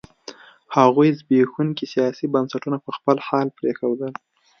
هغوی زبېښونکي سیاسي بنسټونه په خپل حال پرېښودل.